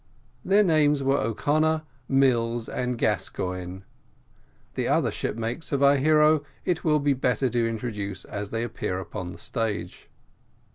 Their names were O'Connor, Mills, and Gascoigne. The other shipmates of our hero it will be better to introduce as they appear on the stage.